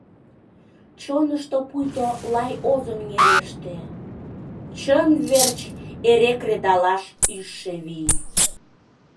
Чонышто пуйто лай озым нереште — Чын верч эре кредалаш ӱжшӧ вий.